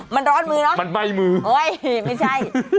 มันร้อนมือเนอะมันไหม้มือเอ้ยไม่ใช่